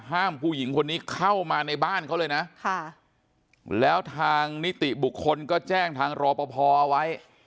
ผู้หญิงคนนี้เข้ามาในบ้านเขาเลยนะแล้วทางนิติบุคคลก็แจ้งทางรอปภเอาไว้